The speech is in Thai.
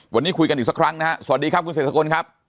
วันนี้คุยกันอีกสักครั้งนะฮะสวัสดีครับคุณเศรษฐกลครับ